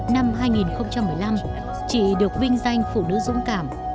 năm hai nghìn một mươi năm chị được vinh danh phụ nữ dũng cảm